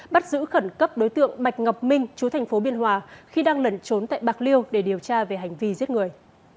bắt giữ khẩn cấp đối tượng bạch ngọc minh chú thành phố biên hòa khi đang lẩn trốn tại bạc liêu để điều tra về hành vi giết người